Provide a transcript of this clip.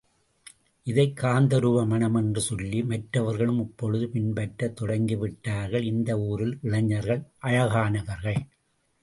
இதை காந்தருவ மணம் என்று சொல்லி மற்றவர்களும் இப்பொழுது பின்பற்றத் தொடங்கிவிட்டார்கள். இந்த ஊரில் இளைஞர்கள் அழகானவர்கள்.